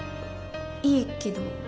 いいけど。